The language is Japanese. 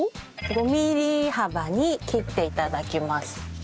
５ミリ幅に切って頂きます。